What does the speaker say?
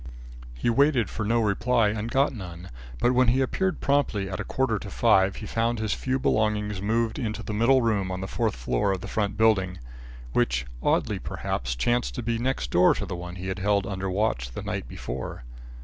He waited for no reply and got none; but when he appeared promptly at a quarter to five, he found his few belongings moved into a middle room on the fourth floor of the front building, which, oddly perhaps, chanced to be next door to the one he had held under watch the night before.